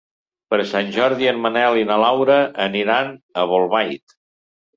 Per Sant Jordi en Manel i na Laura aniran a Bolbait.